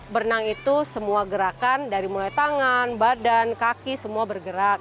berenang itu semua gerakan dari mulai tangan badan kaki semua bergerak